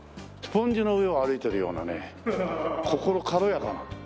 スポンジの上を歩いてるようなね心軽やかな。